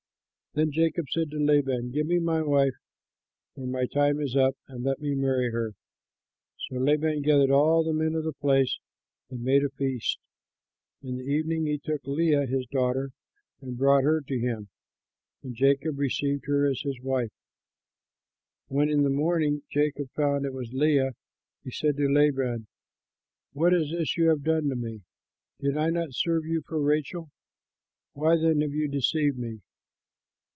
Then Jacob said to Laban, "Give me my wife, for my time is up, and let me marry her." So Laban gathered all the men of the place and made a feast. In the evening he took Leah his daughter and brought her to him, and Jacob received her as his wife. When in the morning Jacob found it was Leah, he said to Laban, "What is this you have done to me? Did I not serve you for Rachel? Why then have you deceived me?"